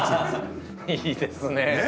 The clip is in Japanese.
いいですね！